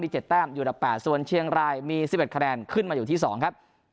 ๗แต้มอยู่อันดับ๘ส่วนเชียงรายมี๑๑คะแนนขึ้นมาอยู่ที่๒ครับ